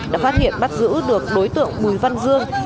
đã phát hiện bắt giữ được đối tượng bùi văn dương